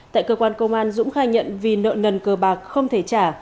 tại cơ quan công an dũng khai nhận vì nợ nần cờ bạc không thể trả